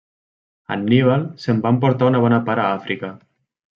Anníbal se'n va emportar una bona part a Àfrica.